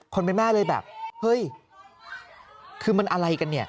คนเป็นแม่เลยแบบเฮ้ยคือมันอะไรกันเนี่ย